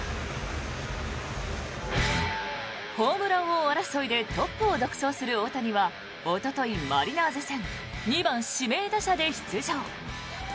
ホームラン王争いでトップを独走する大谷はおととい、マリナーズ戦２番指名打者で出場。